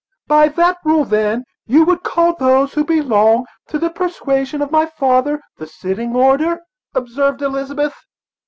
"By that rule, then, you would call those who belong' to the persuasion of my father, the sitting order," observed Elizabeth.